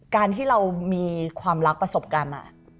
การที่เรามีความรักประสบการณ์